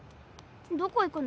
どこ行くの？